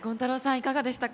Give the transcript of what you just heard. いかがでしたか？